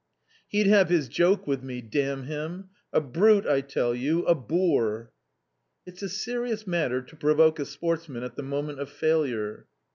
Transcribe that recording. He'd have his joke with me, damn him ! a brute, I tell you, a boor !" It's a serious matter to provoke a sportsman at the moment of failure